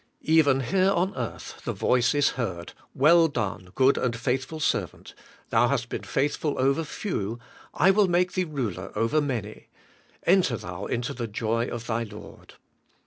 Even here on earth the voice is heard: *Well done, good and faithful servant, thou hast been faithful over few, I will make thee ruler over many: enter thou into the joy of thy Lord.'